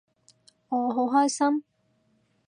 我好開心